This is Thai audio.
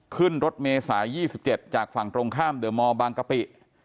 ขึ้นรถเมษาย๒๗จากฝั่งตรงข้ามเดอร์มอร์บางกะปิ